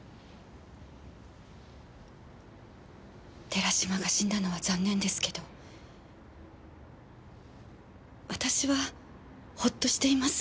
寺島が死んだのは残念ですけど私はほっとしています。